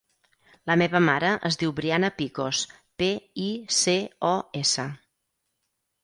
La meva mare es diu Briana Picos: pe, i, ce, o, essa.